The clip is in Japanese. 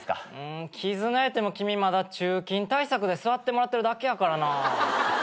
絆いうても君まだ駐禁対策で座ってもらってるだけやからなぁ。